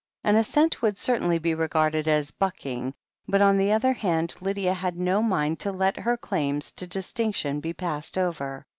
An assent would certainly be regarded as "bucking," but, on the other hand, Lydia had no mind to let her claims to distinction be passed over.